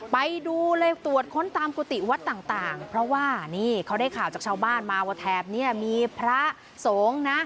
ไปดูเลยตรวจค้นตามกุฏิวัดต่างเพราะว่านี่เขาได้ข่าวจากชาวบ้านมาว่าแถบนี้มีพระสงฆ์นะ